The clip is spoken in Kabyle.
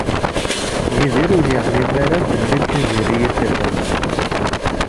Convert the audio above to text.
Yidir ur yeεlim ara belli d Tiziri i tt-ixedmen.